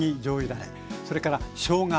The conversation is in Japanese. それからしょうが